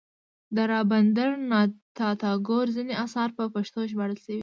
د رابندر ناته ټاګور ځینې اثار په پښتو ژباړل شوي.